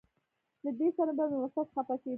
له دې سره به مې استاد خپه کېده.